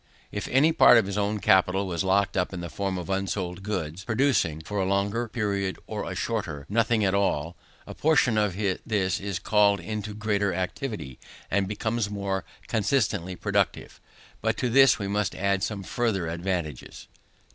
If any part of his own capital was locked up in the form of unsold goods, producing (for a longer period or a shorter) nothing at all; a portion of this is called into greater activity, and becomes more constantly productive. But to this we must add some further advantages.